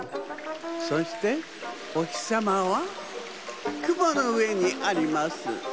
そしておひさまはくものうえにあります。